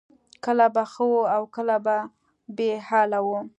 کله به ښه وه او کله به بې حاله وه